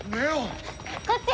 こっち！